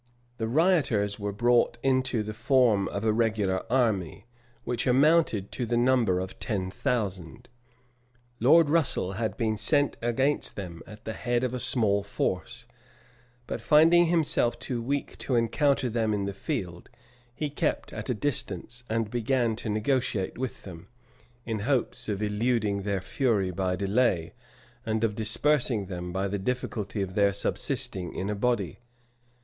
The rioters were brought into the form of a regular army, which amounted to the number of ten thousand. Lord Russel had been sent against them at the head of a small force; but finding himself too weak to encounter them in the field, he kept at a distance, and began to negotiate with them; in hopes of eluding their fury by delay, and of dispersing them by the difficulty of their subsisting in a body.